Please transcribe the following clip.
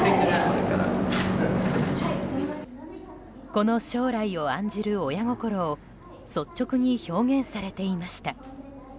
子の将来を案じる親心を率直に表現されていました。